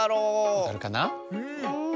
わかるかな？